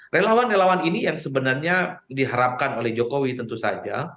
relawan relawan ini yang sebenarnya diharapkan oleh jokowi tentu saja